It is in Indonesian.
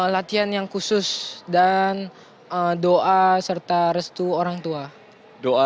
latihan yang khusus dan doa serta restu orang tua